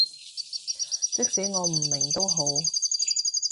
即使我唔明都好